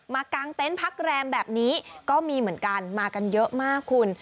กลางเต็นต์พักแรมแบบนี้ก็มีเหมือนกันมากันเยอะมากคุณ